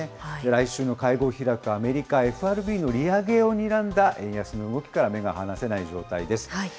来週の会合を開くアメリカ・ＦＲＢの利上げをにらんだ円安の動きから目が離せない状態です。